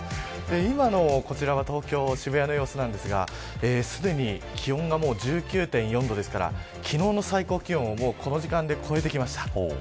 今のこちらは東京、渋谷の様子ですがすでに気温が１９．４度ですから昨日の最高気温をこの時間で超えてきました。